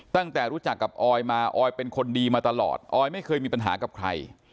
ตั้งแต่รู้จักกับออยมาออยเป็นคนดีมาตลอดออยไม่เคยมีปัญหากับใคร